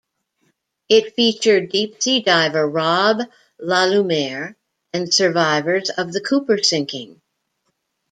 It featured deep-sea diver Rob Lalumiere and survivors of the "Cooper" sinking.